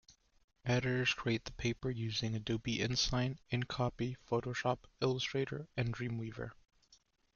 Editors create the paper using Adobe InDesign, InCopy, Photoshop, Illustrator and Dreamweaver.